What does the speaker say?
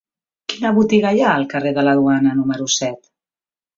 Quina botiga hi ha al carrer de la Duana número set?